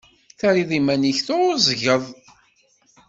Terriḍ iman-ik tɛuẓẓgeḍ.